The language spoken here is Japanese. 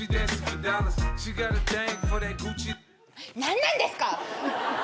何なんですか！？